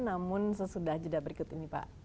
namun sesudah jeda berikut ini pak